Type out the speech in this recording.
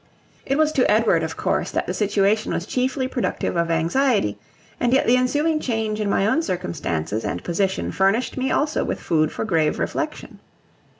It was to Edward, of course, that the situation was chiefly productive of anxiety; and yet the ensuing change in my own circumstances and position furnished me also with food for grave reflexion.